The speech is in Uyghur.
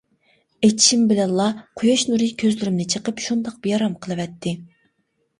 ئېچىشىم بىلەنلا قۇياش نۇرى كۆزلىرىمنى چېقىپ شۇنداق بىئارام قىلىۋەتتى.